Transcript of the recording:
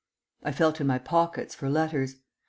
I felt in my pockets for letters.